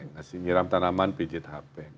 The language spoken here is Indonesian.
ngasih nyiram tanaman pijit hp